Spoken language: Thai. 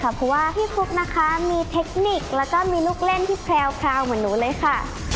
เพราะว่าพี่ฟุ๊กนะคะมีเทคนิคแล้วก็มีลูกเล่นที่แพรวเหมือนหนูเลยค่ะ